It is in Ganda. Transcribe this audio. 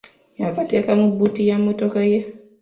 Yakateeka mu bbuutu ya mmotoka ye!